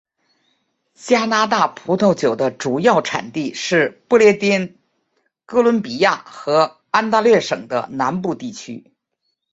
加拿大葡萄酒的主要产地是不列颠哥伦比亚和安大略省的南部地区。